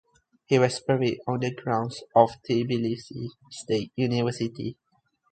He was buried on the grounds of Tbilisi State University.